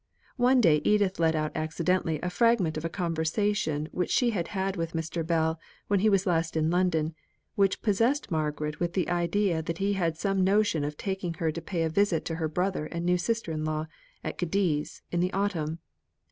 One day Edith let out accidentally a fragment of a conversation which she had had with Mr. Bell, when he was last in London, which possessed Margaret with the idea that he had some notion of taking her to pay a visit to her brother and new sister in law, at Cadiz, in the autumn.